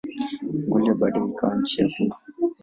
Mongolia baadaye ikawa nchi huru.